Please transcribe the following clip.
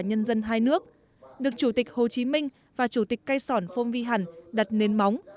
nhân dân hai nước được chủ tịch hồ chí minh và chủ tịch cây sòn phông vi hẳn đặt nến móng